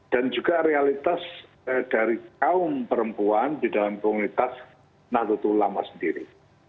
dan juga realitas dari kaum perempuan di dalam komunitas nu itu ulama sendiri